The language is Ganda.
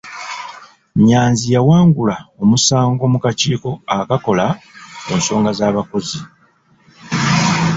Nnyanzi yawangula omusango mu kakiiko akakola ku nsonga z'abakozi.